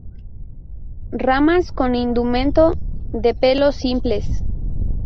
Ramas con indumento de pelos simples.